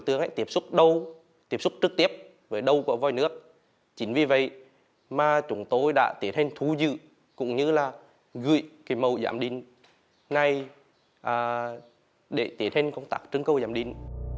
đối tượng đã tiếp xúc đầu tiếp xúc trực tiếp với đầu của vòi nước chính vì vậy mà chúng tôi đã tiến hành thu giữ cũng như là gửi cái màu giám đình này để tiến hành công tác trứng câu giám đình